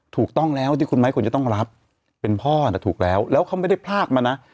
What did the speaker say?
ถูกต้องแล้วที่คุณไม้ควรจะต้องรับเป็นพ่อน่ะถูกแล้วแล้วเขาไม่ได้พลากมานะ